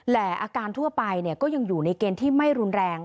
แต่อาการทั่วไปก็ยังอยู่ในเกณฑ์ที่ไม่รุนแรง